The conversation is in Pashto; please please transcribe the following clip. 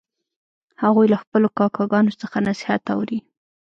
هغوی له خپلو کاکاګانو څخه نصیحت اوري